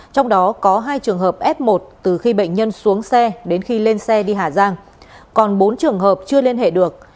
trong đó có hai trường hợp f một từ khi bệnh nhân xuống xe đến khi lên xe đi hà giang còn bốn trường hợp chưa liên hệ được